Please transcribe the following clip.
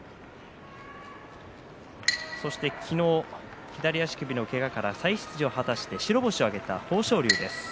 そして昨日左足首のけがから再出場を果たして白星を挙げた豊昇龍です。